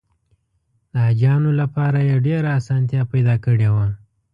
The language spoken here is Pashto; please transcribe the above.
د حاجیانو لپاره یې ډېره اسانتیا پیدا کړې وه.